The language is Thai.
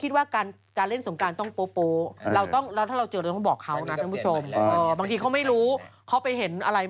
ยังงั้นเลยหรอบางทีเขาปีที่แล้วไง